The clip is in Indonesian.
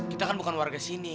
kita kan bukan warga sini